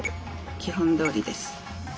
基本どおりです。